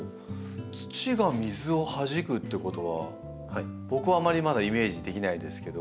土が水をはじくってことは僕はあまりまだイメージできないですけど。